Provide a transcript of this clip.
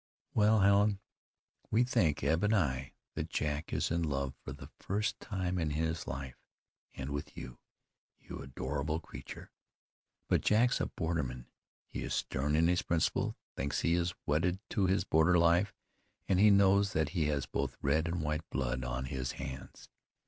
"Well, Helen, we think, Eb and I, that Jack is in love for the first time in his life, and with you, you adorable creature. But Jack's a borderman; he is stern in his principles, thinks he is wedded to his border life, and he knows that he has both red and white blood on his hands.